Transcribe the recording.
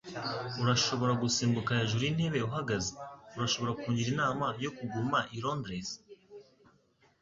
Urashobora gusimbuka hejuru y'intebe uhagaze? Urashobora kungira inama yo kuguma i Londres?